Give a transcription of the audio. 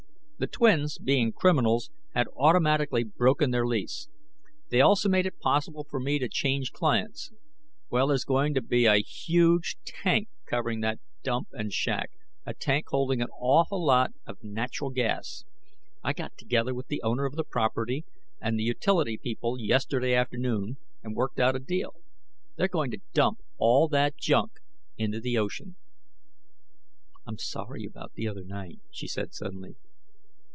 The twins, being criminals, had automatically broken their lease. They also made it possible for me to change clients. Well, there's going to be a huge tank covering that dump and shack, a tank holding an awful lot of natural gas. I got together with the owner of the property and the utility people yesterday afternoon and worked out a deal. They're going to dump all that junk into the ocean." "I'm sorry about the other night," she said suddenly.